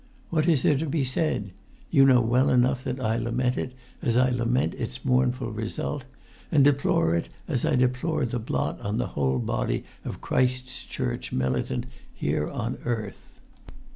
What is there to be said? You know well enough that I lament it as I lament its mournful result, and deplore it as I deplore the blot on the whole body of Christ's Church militant here on earth.